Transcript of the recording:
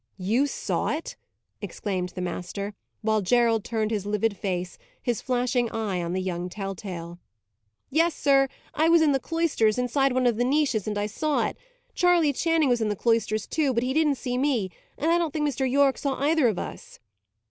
"You saw it!" exclaimed the master, while Gerald turned his livid face, his flashing eye on the young tell tale. "Yes, sir. I was in the cloisters, inside one of the niches, and saw it. Charley Channing was in the cloisters, too, but he didn't see me, and I don't think Mr. Yorke saw either of us."